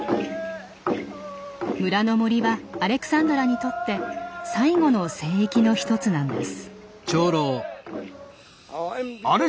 村の森はアレクサンドラにとって最後の聖域の一つなんです。